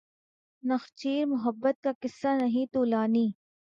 نخچیر محبت کا قصہ نہیں طولانی